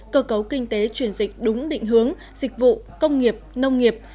cơ cấu kinh tế chuyển dịch đúng định hướng dịch vụ công nghiệp nông nghiệp